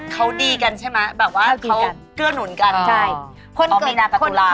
เขาดีกันใช่ไหมแบบว่าเขาเกื้อนหนุนกันเอามีนาแต่ตุลาคม